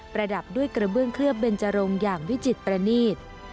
ระดับด้วยกระเบื้องเคลือบเบนจรงอย่างวิจิตประนีต